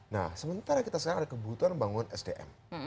nah sementara kita sekarang ada kebutuhan bangunan sdm